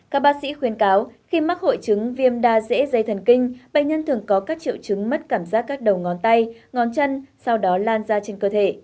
các bác sĩ khuyên cáo khi mắc hội chứng viêm da dễ dây thần kinh bệnh nhân thường có các triệu chứng mất cảm giác các đầu ngón tay ngón chân sau đó lan ra trên cơ thể